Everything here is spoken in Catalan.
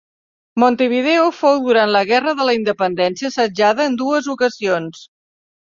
Montevideo fou, durant la guerra de la independència, assetjada en dues ocasions.